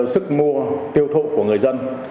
sức mua tiêu thu của người dân